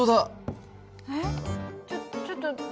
えっちょちょっと。